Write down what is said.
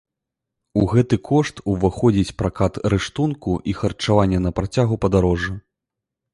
У гэты кошт уваходзіць пракат рыштунку і харчаванне на працягу падарожжа.